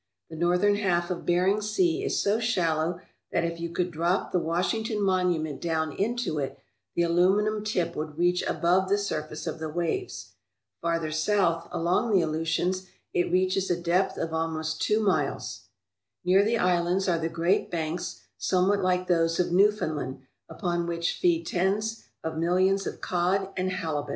The northern half of Bering Sea is so shallow that if you could drop the Washington Monument down into it the aluminum tip would reach above the surface of the waves. Farther south, along the Aleutians, it reaches a depth of almost two miles. Near the islands are the great banks, somewhat like those of Newfoundland, upon which feed tens of millions of cod and halibut.